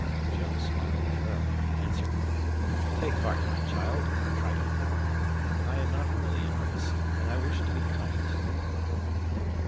Jove smiled at her and answered, "Take heart, my child, Trito born; I am not really in earnest, and I wish to be kind to you."